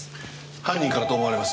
犯人からと思われます。